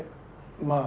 まあ。